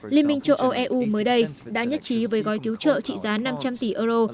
liên minh châu âu eu mới đây đã nhất trí với gói cứu trợ trị giá năm trăm linh tỷ euro